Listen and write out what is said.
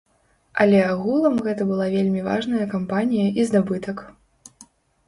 Але агулам гэта была вельмі важная кампанія і здабытак.